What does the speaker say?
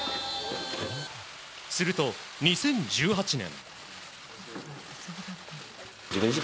すると２０１８年。